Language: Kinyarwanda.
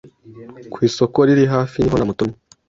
ku isoko riri hafi, niho namutumyes